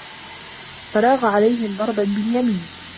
فَراغَ عَلَيهِم ضَربًا بِاليَمينِ